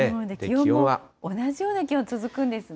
気温も同じような気温、続くんですね。